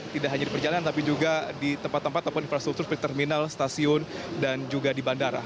tidak hanya di perjalanan tapi juga di tempat tempat ataupun infrastruktur seperti terminal stasiun dan juga di bandara